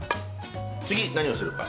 次何をするか。